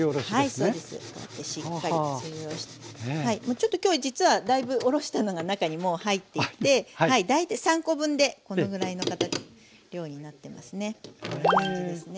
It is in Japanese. ちょっと今日実はだいぶおろしたのが中にもう入っていて３コ分でこのぐらいの量になってますね。